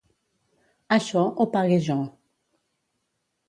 Això ho pague jo